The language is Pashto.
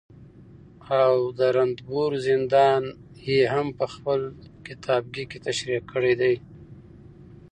او د رنتبور زندان يې هم په خپل کتابکې تشريح کړى دي